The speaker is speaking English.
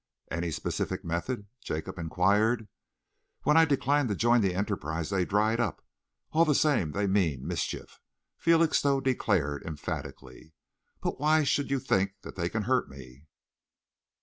"Any specific method?" Jacob enquired. "When I declined to join the enterprise, they dried up. All the same they mean mischief," Felixstowe declared emphatically. "But why should you think that they can hurt me?"